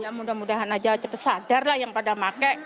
ya mudah mudahan aja cepet sadar lah yang pada pakai